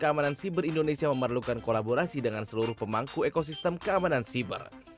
keamanan siber indonesia memerlukan kolaborasi dengan seluruh pemangku ekosistem keamanan siber